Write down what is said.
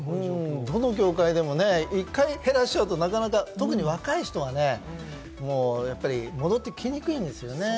どの業界でも一回減らしちゃうと特に若い人はね、戻ってきにくいんですよね。